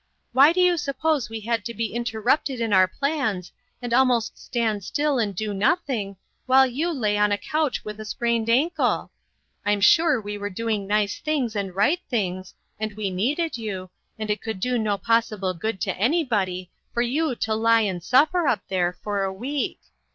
Why do you sup pose we had to be interrupted in our plans, and almost stand still and do nothing, while you lay on a couch with a sprained ankle ? LOGIC AND LABOR. 1 79 I'm sure we were doing nice things and right things, and we needed you, and it could do no possible good to anybody for you to lie and suffer up there for a week.